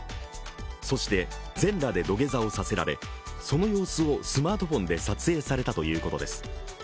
そして全裸で土下座をさせられ、その様子をスマートフォンで撮影されたということです。